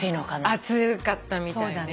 暑かったみたいね。